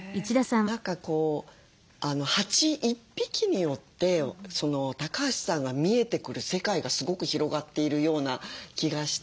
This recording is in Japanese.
何かこう蜂１匹によって橋さんが見えてくる世界がすごく広がっているような気がして。